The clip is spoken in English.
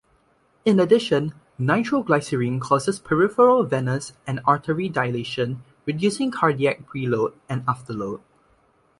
In addition, nitroglycerin causes peripheral venous and artery dilation reducing cardiac preload and afterload.